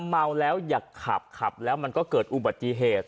เมาแล้วอย่าขับขับแล้วมันก็เกิดอุบัติเหตุ